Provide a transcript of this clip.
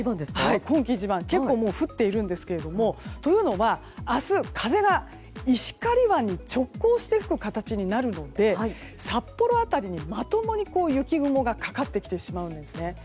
結構もう降っているんですけどというのは明日、風が石狩湾に直行して吹く形になるので札幌辺りに、まともに雪雲がかかってきてしまうんですね。